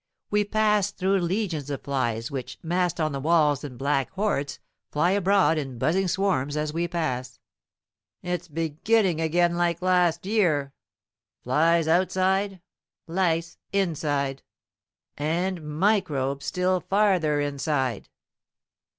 We pass through legions of flies which, massed on the walls in black hordes, fly abroad in buzzing swarms as we pass: "It's beginning again like last year! Flies outside, lice inside. " "And microbes still farther inside!"